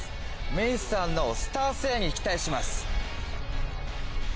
ミイヒさんのスター性に期待します。